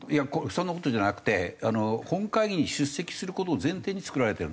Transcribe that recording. そんな事じゃなくて本会議に出席する事を前提に作られてるんですよ。